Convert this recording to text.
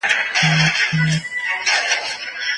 د ده کرکټرونه ډېر وخت یو بل نه شي درک کولای.